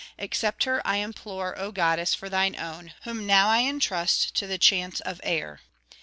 Accept her, I implore, O goddess, for thine own, whom now I entrust to the chance of air."